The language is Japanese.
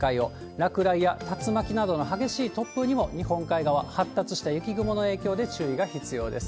落雷や竜巻などの激しい突風にも日本海側、発達した雪雲の影響で注意が必要です。